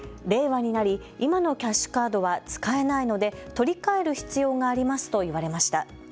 令和になり今のキャッシュカードは使えないので取り替える必要がありますと言われました。